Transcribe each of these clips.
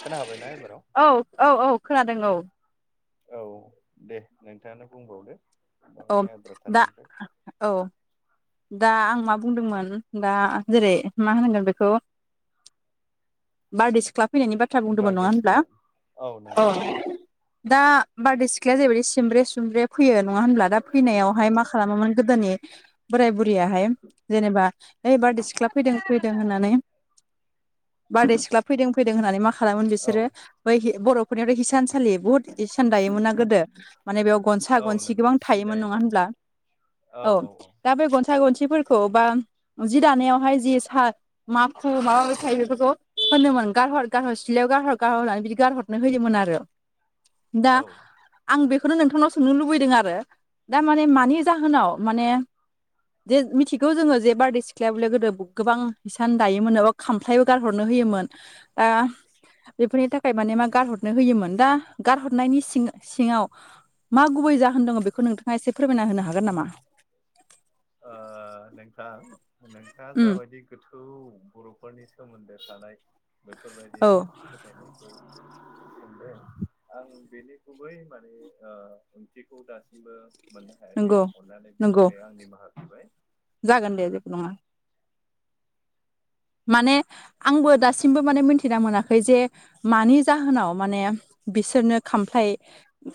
खोना हाबायना एबाराव? औ औ औ खोनादों औ। औ दे नोंथाङानो बुंबावदो। औ बावनि आद्रा दा थानायनिफ्राय औ दा आं मा बुंदोंमोन दा जेरै मा होनगोन बेखौ बारदै सिख्ला फैनायनि बाथ्रा बुंदोंमोन बारदै नङा होनब्ला? सिख्ला औ नंगौ नंगौ अ दा बारदै सिख्लाया जाहैबायदि सिमब्रे सुमब्रे फैयो नङा होनब्ला? दा फैनायावहाय मा खालामोमोन गोदोनि बोराय बुरियाहाय जेनेबा ओइ बारदै सिख्ला फैदों फैदों होननानै बारदेै सिख्ला फैदों फैदों होननानै मा खालामोन औ बिसोरो बै बर'फोरनियावथ' हिसानसालि बुहुत इसेन दायोमोनना गोदो माने बेयाव गनसा औ गनसि नंगौ गोबां थायोमोन नङा सिनायोमोन होनब्ला औ औ औ दा बे गन्सा गनसिफोरखौ बा जि दानायावहाय जि सा माखु माबि थायो बेफोरखौ होनोमोन गारहर गारहर सिथ्लायाव गारहर गारहर होननानै बिदि गारहर नो होदोंमोन आरो दा औ ओ आं बेखौनो नोंथांनाव सोंनो लुबैदों आरो दा माने मानि जाहोनाव माने जे मिथिगौ जोङो जे बारदै सिख्लायाबले गोदो गोबां हसान दायोमोन एबा खामफ्लायबो गारहरनो होयोमोन ओ बेफोरनि थाखाय माने मा गारहरनो होयोमोन दा गारहरनायनि सिं सिङाव मा गुबै जाहोन दङ बेखौ नोंथाङा एसे फोरमायना होनो हागोन नामा [inaudible] नोंथां नोंथाङा उम जाबायदि गोथौ बर'फोरनि सोमोन्दो थानाय बेफोरबायदि औ सुबुं [unintelligible] दों आं बेनि गुबै माने ओ ओंथिखौ दासिमबो मोननो हायाखै नंगौ अनानै बिनि नंगौ थाखाय आं निमाहा बिबाय जागोन दे जेबो नङा माने आंबो दासिमबो माने मिथिना मोनाखै जे मानि जाहोनाव माने बिसोरनो खामफ्लाय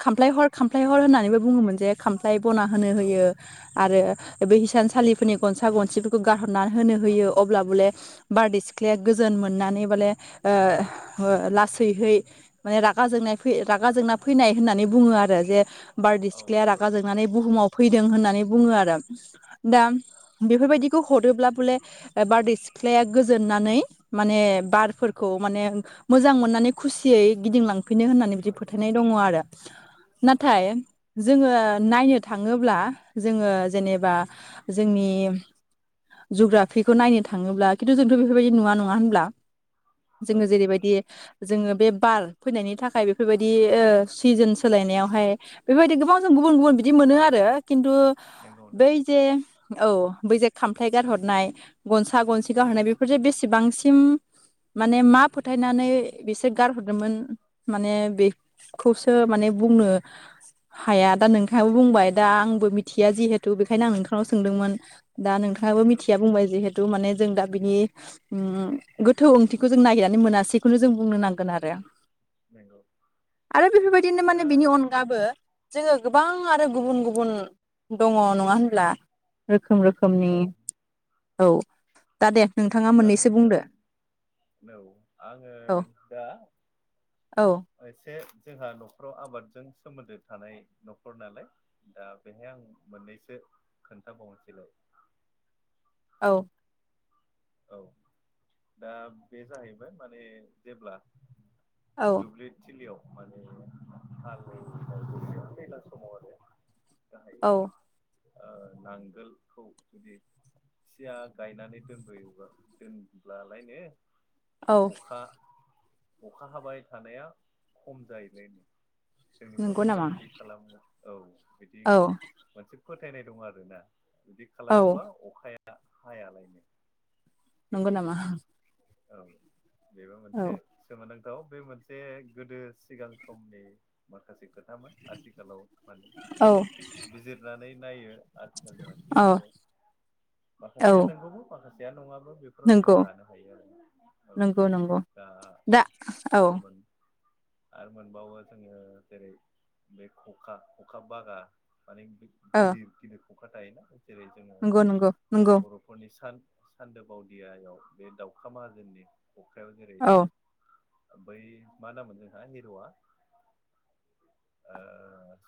खामफ्लाय हर खामफ्लाय हर होननानैबो बुङोमोन जे खामफ्लाय बना होनो औ होयो। आरो बे हिसानसालिफोरनि गनसा गनसिफोरखौ गारहरनानै होनो होयो अब्ला बले बारदै सिख्लाया गोजोन मोननानै बले ओ लासैहै माने रागा जोंनाय फै रागा जोंना फैनाय होननानै बुङो आरो जे बारदै औ सिख्लाया नंगौ रागा जोंनानै बुहुमाव फैदों होननानै बुङो आरो दा बेफोरबायदिखौ हरोब्ला बले बारदै सिख्लाया गोजोननानै माने बारफोरखौ माने मोजां मोननानै खुसियै गिदिंलांफिनो होननानै बिदि फोथायनाय दङ आरो औ नाथाय जोङो नायनो थाङोब्ला जोङो जेनेबा जोंनि जुग्राफिखौ नायनो थाङोब्ला खिन्थु जोंथ' बेफोरबायदि नुवा नङा होनब्ला औ जोङो नंगौ जेरैबायदि जोङो बे बार फैनायनि थाखाय बेफोरबायदि ओ सिजोन सोलायनायावहाय बेबायदि गोबां जों गुबुन गुबुन बिदि मोनो आरो खिन्थु नंगौ बै नंगौ जे औ बै जे खामफ्लाय गारहरनाय गनसा गनसे गाहरनाय बेफोरजे बेसेबांसिम माने मा फोथायनानै बिसोर गारहरदोंमोन माने बे खौसो माने बुंनो हाया दा नोंथाङाबो बुंबाय दा आंबो मिथिया जिहेथु बेखायनो आं नोंथांनाव सोंदोंमोन दा नोंथाङाबो नंगौ मिथिया बुंबाय जिहेतु माने जों दा बिनि ओ गोथौ ओंथिखौ जों नागिरनानै मोनासैखौनो जों बुंनो नांगोन आरो बेंग आरो बेफोरबायदिनो माने बिनि अन अनगाबो जोङो गोबां आरो गुबुन गुबुन दङ नङा होनब्ला रोखोम रोखोमनि औ औ दा दे नोंथां दा नोंथां औ आङो औ दा औ एसे जोंहा न'खराव आबादजों सोमोन्दो थानाय न'खर नालाय दा बेहाय आं मोननैसो खोन्थाबावनोसैलाय औ। औ दा बे जाहैबाय माने जेब्ला। औ। दुब्लिथिलियाव माने हालोऔनाय माने दैलां समाव आरो गाहाय औ नामा ओ नांगोलखौ जुदि थिया गायनानै दोनबोयो दोनब्लालायनो औ अखा अखा हाबाय थानाया खम जायलायनो जोंनि नंगौ बर'फ्रा नामा बिदि खालामो औ बिदि औ मोनसे फोथायनाय दं आरोना बिदि औ खालामोबा अखाया हायालायनो नंगौ नामा औ बेबो औ मोनसे। सोमोन्दांथाव बे मोनसे गोदो सिगां समनि माखासे खोथामोन आथिखालाव माने औ खुब बिजिरनानै नायो आथिखालनि मानसिफ्रा औ आरो औ माखासेया नंगौबो माखासेया नङाब्ला बेफो फोराव जों नंगौ लानो हायो आरो औ नंगौ नंगौ दा दा औ आरो मोन [inaudible] आरो मोनबावो जोङो जेरै बे खखा खखा बागा माने औ गिदिर गिदिर खुंखा थायोना जेरै जोङो नंगौ नंगौ नंगौ बर'फोरनि सान सानदोब बावदियाायाव बे दाउखा माहाजोननि अखायाव जेरै औ बै मा नामोन जोंहा हिर'आ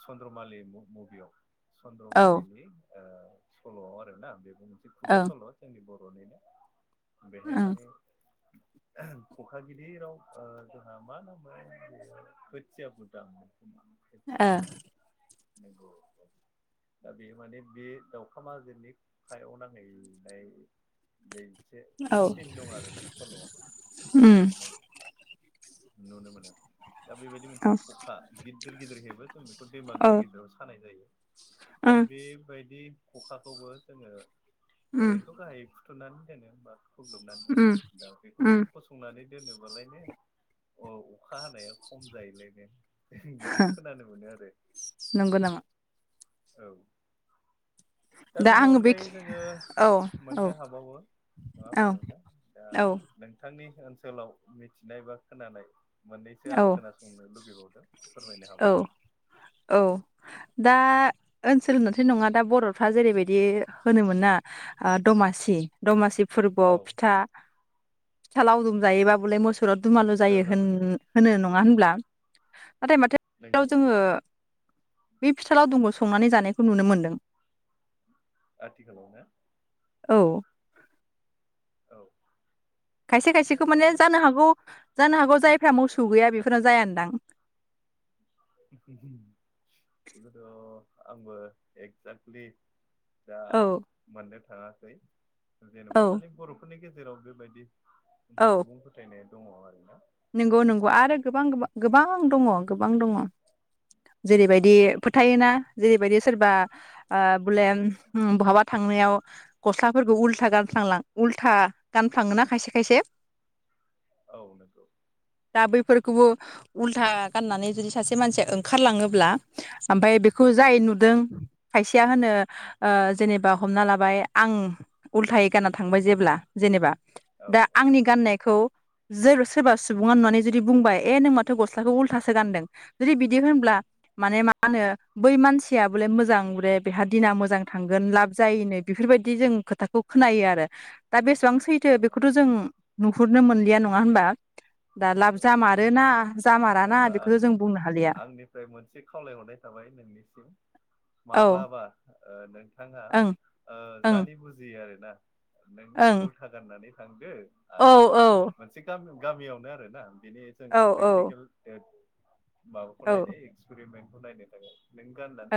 चन्द्रमालि मुभियाव औ चन्द्रमालिनि सल' आरोना बेबो मोनसे खुगा सल' जोंनि बर'निनो बेहाय माने खखागिरि राव जोंहा मा नामो खोथिया भुदां [unintelligible] [unintelligible] [unintelligible] दा बे माने बे दाउखा माजोनि खायाव नांहैनाय बे एसे ओं ओ औ सिन दं आरोना सल'आव उम। माने नुनो मोनो दा बेबायदि औ मोनसे खखा गिदिर गिदिर हेबो जों बेखौ दैमा औ गिदिर गिदिराव सानाय जायो। दा उम बेबायदि खखाखौबो जोङो उम ओरैनोथ' गाहाय बुथुनानै दोनो बा खग्लोबनानै दोनो उम दा बेखौबो उम फसंनानै दोनोबालायनो अ अखा हानाया खम जायोलायनो बिदि खोनानो मोनो आरो। नंगौ नामा औ दा बेनि आङो बे अनगायै जोङो औ औ मोननो हाबावो नङा औ होमबा नोंथां। दा औ नोंथांनि ओनसोलाव मिथिनाय बा खोनानाय मोननैसो आं खोनासंनो लुुबैबावदों फोरमायनो औ हाबावगोन औ। दा ओनसोल होनथ' नङा दा बर'फ्रा जेरैबायदि होनोमोन ना दमासि दमासि औ फोरबोआव फिथा फिथा लावदुम जायोब बलाय मोसौ- सुर दुमालु फिथा जायो लादु जायो होनो नङा होनब्ला नाथाय माथो [unintelligible] नंगौ जोङो नंगौ बे फिथालाव दंखौ संनानै जानायखौ नुनो मोन्दों आथिखालावनो औ। औ। खायसे दा खायसेखौ माने जानो हागौ जानो हागौ जायफ्रा मोसौ गैया बेफोरनो जाया होनदां। बेखौथ' आंबो एक्जेक्टलि दा औ मोननो थाङासै औ जेन'बा माने बर' फोरनि गेजेराव बेबायदि मोनसे औ सुबुं फोथायनाय दङ' आरोना। नंगौ नंगौ आरो गोबां गोबां गोबां दङ गोबां दङ दे जेरैबायदि। बुंलाय थायोना जेरैबायदि सोरबा बले बहाबा थांनायाव गस्लाफोरखौ उल्था गानफ्लांलां उल्था गानफ्लाङोना खायसे खायसे। औ नंगौ। दा बैफोरखौबो उल्था गाननानै जुदि सासे मानसिया ओंखारलाङोब्ला ओमफफ्राय बेखौ जाय नुदों खायसेया होनो जेनेबा हमना लाबाय आं। उल्थायै गानना थांबाय जेब्ला जेनेबा औ दा आंनि गाननायखौ [unintelligible] सोरबा सुबुङा नुनानै जुदि बुंबाय ए नों माथो गस्लाखौ उल्थासो गानदों जुदि बिदि होनब्ला माने मा होनो बै मानसिया बले मोजां बले बेहा दिना मोजां थांगोन लाब जायोनो। बेफोरबायदि जों खोथाखौ खोनायो आरो दा बेसेबां सै थो औ बेखौथ' जों नुहुरनो मोनलिया नङा होनबा। दा लाब नंगौ जामारोना नंगौ जामाराना अब्ला बेखौथ' जों बुंनो हालिया आंनिफ्राय मोनसे खावलायहरनाय जाबाय नोंनिसिम औ माब्लाबा ओ नोंथाङा ओं ओ ओं जानो बुजियो आरोना नों ओं उल था गाननानै थांदो औ आरो औ मोनसे गामियाव गामियावनो आरोना बेनि जों औ प्रेकटिकेल माबाखौ औ नायनो एक्सपेरिमेन्टखौ नायनो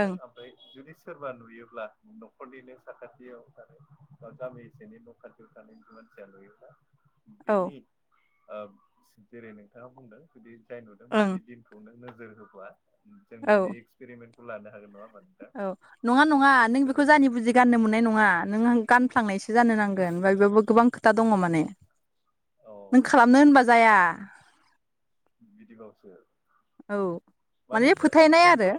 ओं [unintelligible] ओमफ्राय जुदि सोरबा नुयोब्ला न'खरनिनो साखाथियाव गामि सेनि न [unintelligible] औ बिनि ओ जेरै नोंथाङा बुंदों जुदि जाय नुदों बेनि ओं दिन खौनो नोजोर होबा जों बेनि औ एक्सपेरिमेन्टखौ लानो हागोन [unintelligible] औ नङा नङा नों बेखौ जोबोद जानि मोजां बुजि गाननो मोननाय नङा नों गानफ्लांनायसै। सो जानो नांगोन ओमफ्राय बेबो गोबां खोथा दङ माने नों औ खालामनो होनबा जाया। बिदिबावसो औ माने फोथायनाय जोंथ' आरो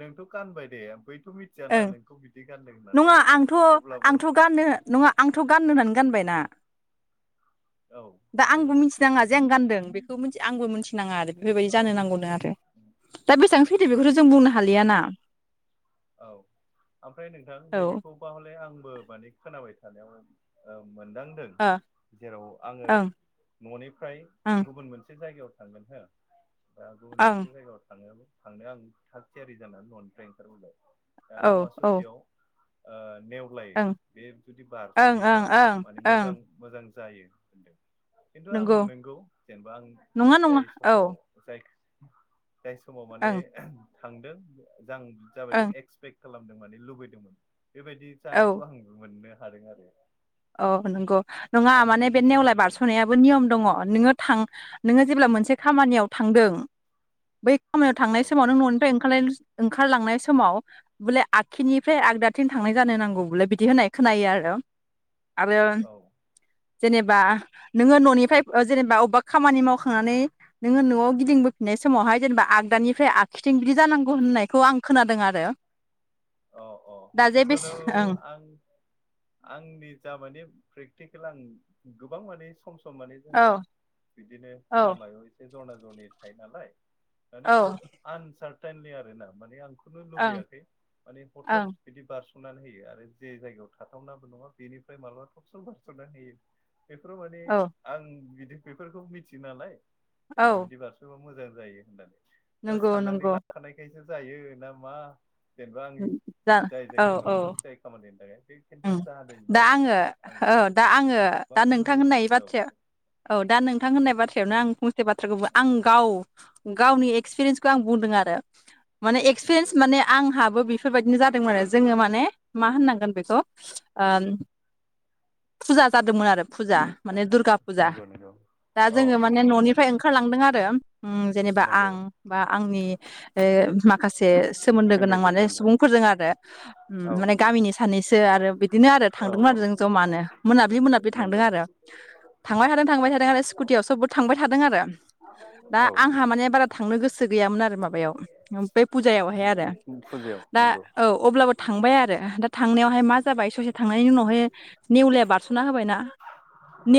नोंथ' गानबाय दे बैथ' मिथियाना ओं नोंखौ बिदि गानदों होननानै नङा आंथ' अब्लाबो [unintelligible] नङा आंथ' गाननो होननानै गानबायना औ दा आंबो बेबो मोनसे मिथिनाङा जेन गान्दों बेखौ [unintelligible] आंबो मिथिनाङा आरो बेफोरबायदि औ जानो नांगौनो आरो। दा बेसेबां सैथो बेखौथ' जों बुंनो हालियाना। औ ओमफ्राय नोंथां औ ओ नैबेखौ अब्ला हले आंबो माने खोनाबाय थानायाव ओ मोनदांदों जेराव आङो ओं न'निफ्राय ओं गुबुन मोनसे जायगायाव थांगोन हो गुबुन ओं मोनसे जायगायाव थां [unintelligible] थांनो आं थाग थियारि जानानानै न'निफ्राय ओंखारबोबाय। दा औ लामा ओं ससेयाव ओ नेव लाय बे जुदि ओं बारस'योबा ओं ओं माने ओं मोजां। मोजां जायो होनदों खिन्थु आं नंगौ जेनेबा आं नङा जाय नङा औ समाव जाय जाय समाव माने ओं थांदों जां जाबाय दे। ओं एक्सपेक्ट खालामदों माने लुबैदोंमोन बेबायदि औ जानायखौ आं मोननो हादों आरो। औ नंगौ नङा आं माने बे बिदिसो नेवलाय मोनदों बारस'नाया नियम दङ नोङो थां नोङो जेब्ला मोनसे खामानियाव थांदों बै खामानियाव थांनाय समाव नों न'निफ्रायओंखार ओंखारलांनाय समाव बले आकिनिफ्राय आगदा थिं थांनाय जानो नांगौ बलाय बिदि होननाय खोनायो आरो। आरो औ जेनेबा नोङो न'निफ्राय ओ जेनेबा अबेबा खामानि मावखांनानै नोङो न'आव गिदिंबोफिननाय समावहाय जेनेबा आगदानिफ्राय आकिथिं बिदि जानांगौ होननायखौ आं खोनादों आरो। अ औ दा जे बेस जिखुनु ओं आं आंनि जा माने प्रेक्टिकेल आं गोबां माने सम सम माने जोंहा औ बिदिनो औ लामायाव एसे जरना जरनि थायो नालाय। माने औ खुद आनसार्टेनलि आरो ना माने आंखौनो ओं लुबैयाखै माने हथात। ओं बिदि बारस'नानै होयो आरो जे जायगायाव थाथावनाबो नङा बेनिफ्राय मालाबा थबस्र' बारस'नानै होयो। बेफोराव माने औ आं बिदि बेफोरखौ मिथियो नालाय जेनेबा औ बिदि बार' [unintelligible] था मोजां जायो होननानै दा नंगौ साननानै नंगौ लाखानायखायसो जायो ना मा जेनेबा आं जा जाय जायगायाव थांदों जाय खामानिनि थाखाय बे खिन्थु उम जादों दा आरोना आङो आं औ दा आङो दा गोबां नोंथां लोगो होननाय मोनदों औ बाथ्राया औ दा नोंथां होननाय बाथ्रायावनो आं से बाथ्राखौबो आं गाव गावनि एक्सपिरियेन्सखौ आं बुंदों आरो। माने एक्सपिरियेन्स माने आंहाबो बेफोरबायदिनो जादोंमोन आरो जोङो माने मा होननांगोन बेखौ। ओ फुजा जादोंमोन आरो फुजा माने दुर्गा फुजा नंगौ नंगौ दा औ जोङो माने न'निफ्राय ओंखारलांदों आरो उम जेनेबा नंगौ आं बा आंनि ए माखासे सोमोन्दो गोनां फेमिलि माने मेम्बार सुबुंफोरजों आरो औ माने नंगौ गामिनि सानैो आरो बिदिनो आरो औ थांदोंमोन औ आरो जों जमानो मोनाब्लि मोनाब्लि थांदों नंगौ आरो थांबाय थादों थांबाय थादों आरो स्कुटियाव सोबबो थांबाय थादों आरो औ हामाने बारा थांनो गोसो गैयामोन आरो माबायाव फुजायावहाय आरो फुजायाव दा नंगौ औ अब्लाबो थांबाय आरो दा थांनायावहाय मा जाबाय ससे थांनायनि उनावहाय निउ लाया बार सुना होबायना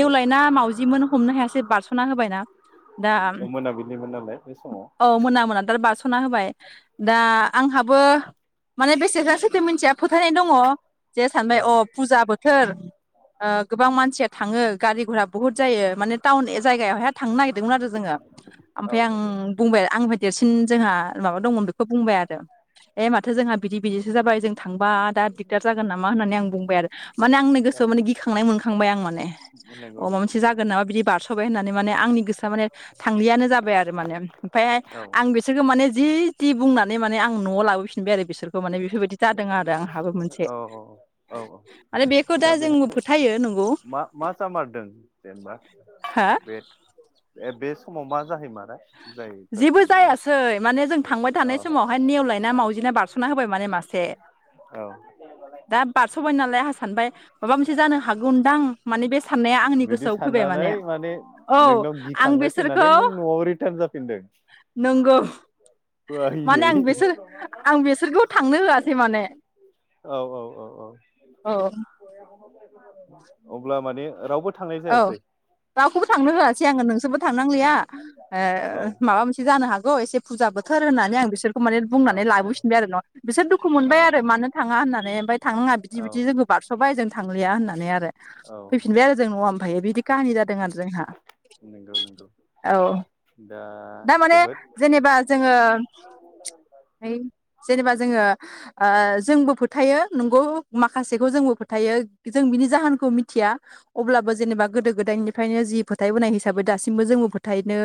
औ मावउजिमोन हमनो हायासै बारस'ना होबायना दा मोनाबिलिमोन नालाय बे समाव औ मोना मोना दा बारस'ना होबाय दा आंहाबो माने बेसेजासो [unintelligible] मोनथिया फोथायनाय दङ जे सानबाय औ अ फुजा बोथोर ओ गोबां मानसिया थाङो गारि घरा बुहुत जायो माने टाउन जायगायावहाय थांनो नागिरदोंमोन आरो जोङो औ ओमफ्राय आं नंगौ बुंबाय आंनिफ्राय देरसिन जोंहा माबा दंमोन बेखौ बुंबाय आरो ए माथो जोंहा बिदि बिदिसो जाबाय जों थांबा दा दिगदार जागोन नामा होननानै आं बुंबाय आरो माने आंनि औ गोसोआव माने गिखांनाय मोनखांबाय आं माने अ नंगौ माबा नंगौ मोनसे नंगौ जागोन नामा बिदि बारस' थाबाय होननानै माने आंनि गोसोआ माने थांलियानो जाबाय आरो माने ओमफ्राय औ आं बे बिसोरखौ माने जि जि बुंनानै माने आं न'आव लाबोफिनबाय आरो बिसोरखौ माने बेफोरबायदि जादों आरो आंहाबो मोन औ औ औ औ दा जोंबो बेहाय फोथायो नंगौ मा मा जामारदों जेनेबा हा बे बे समाव मा जाहैमारा जायफोर जेबो थांदोंमोन जायासै माने जों थांबाय औ थानाय समावहाय नेवलायना मावजिना बारस' खाना होबाय माने मासे औ दा बारस'बाय नालाय आंहा सानबाय माबा मोनसे जानो हागौदां माने बे साननाया आंनि बिदि गोसोआव फैबाय साननानै माने औ नोंनाव आं गिखांनाय बिसोरखौ फैनानै नों न'आव रिटार्न जाफै इ [unintelligible] नंगौ माने आं आयै बेसोर आं बेसोरखौ थांनो होआसै माने औ औ औ औ औ अब्ला माने रावबो थांनाय औ जायासै दाउखौबो थांनो होआसै आङो नोंसोरबो थांनांलिया ओ औ माबा मोनसे जानो हागौ एसे फुजा बोथोर होननानै आं बिसोरखौ माने औ बुंनानै लाबोफिनबाय आरो नङ बिसोर दुखु औ मोनबाय आरो मानो थाङा होननानै ओमफाय थांनाङा बिदि औ बिदि जोंखौ बारस'बाय जों थांलिया होननानै आरो औ ज ना ओमफ्रायायो बिदि काहानि जादों आरो जोंहा नंगौ नंगौ औ दा दा माने जोबोद जेनेबा जोङो जेनेबा जोङो ओ जोंबो फोथायो नंगौ माखासेखौ जोंबो फोथायो जों बिनि जाहोनखौ मिथिया अब्लाबो जेनेबा गोदो गोदायनिफ्रायनो जि फोथायबोनाय हिसाबै दासिमबो जोंङो फोथायनो